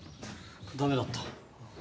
ダメだった。